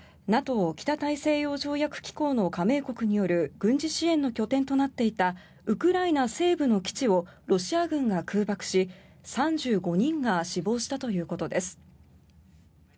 ＮＡＴＯ・北大西洋条約機構の加盟国による軍事支援の拠点となっていたウクライナ西部の基地をロシア軍が空爆し、３５人が死亡したということです。